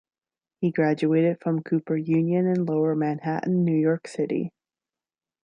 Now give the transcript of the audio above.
He graduated from Cooper Union in Lower Manhattan, New York City.